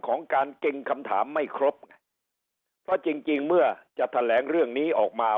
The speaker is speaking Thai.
ของการเก่งคำถามไม่ครบไงเพราะจริงจริงเมื่อจะแถลงเรื่องนี้ออกมา